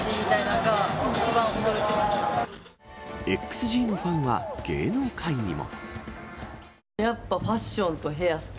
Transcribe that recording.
ＸＧのファンは芸能界にも。